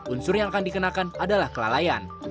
unsur yang akan dikenakan adalah kelalaian